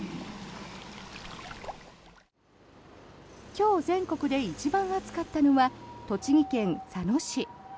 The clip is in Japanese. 今日、全国で一番暑かったのは栃木県佐野市。